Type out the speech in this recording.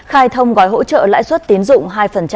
khai thông gói hỗ trợ lãi suất tiến dụng hai